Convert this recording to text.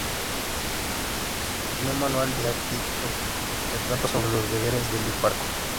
Es un manual didáctico que trata sobre los deberes del hiparco.